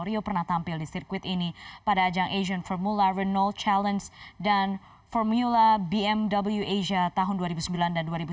rio pernah tampil di sirkuit ini pada ajang asian formula renault challenge dan formula bmw asia tahun dua ribu sembilan dan dua ribu sembilan belas